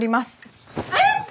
えっ！